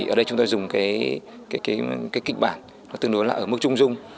ở đây chúng tôi dùng kịch bản tương đối ở mức trung dung